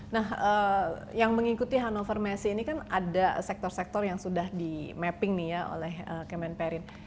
nah yang mengikuti hannover messi ini kan ada sektor sektor yang sudah di mapping nih ya oleh kemenperin